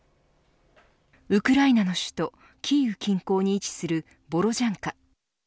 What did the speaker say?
ウクライナの首都キーウ近郊に位置するボロジャンカ。